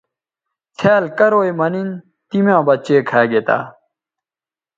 څھیال بے زی کرو یے مہ نِن تی میاں بچے کھا گے تھے